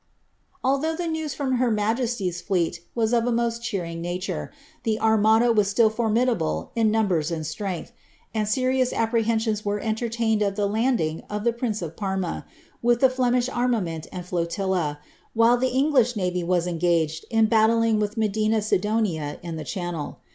Although the news from her majesty's fleet was of the roost cheeimg nature, the Armada was still formidable in numbers and strength, and serious apprehensions were entertained of the landing of the prince of Parma, with the Flemish armament and flotilla, while the English navy was engaged in battling with Medina Sidonia in the Channel.